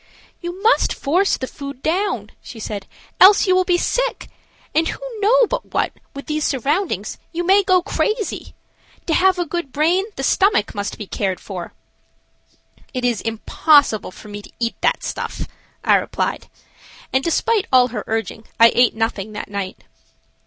"You must force the food down," she said, "else you will be sick, and who know but what, with these surroundings, you may go crazy. To have a good brain the stomach must be cared for." "It is impossible for me to eat that stuff," I replied, and, despite all her urging, I ate nothing that night.